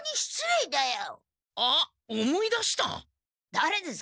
だれですか？